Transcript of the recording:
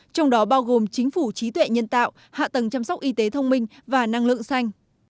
trong đó bao gồm chính phủ trí tuệ nhân tạo hạ tầng chăm sóc y tế thông minh và năng lượng xanh